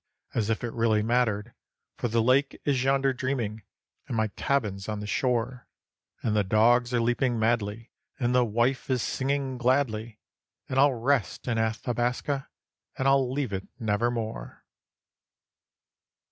. as if it really mattered, For the lake is yonder dreaming, and my cabin's on the shore; And the dogs are leaping madly, and the wife is singing gladly, And I'll rest in Athabaska, and I'll leave it nevermore.